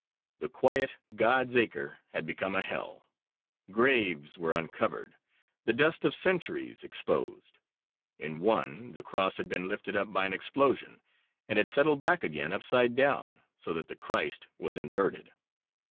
The quiet God's Acre had become a hell. Graves were uncovered; the dust of centuries exposed. In one the cross had been lifted up by an explosion and had settled back again upside down, so that the Christ was inverted.